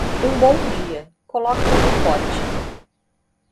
Um bom dia, coloque-o no pote.